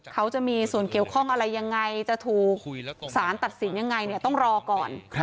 เขาจะมีส่วนเกี่ยวข้องอะไรยังไงจะถูกสารตัดสินยังไงเนี่ยต้องรอก่อน